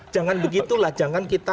jangan begitulah jangan kita